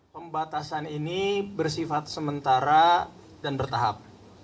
pembatasan ini bersifat sementara dan bertahap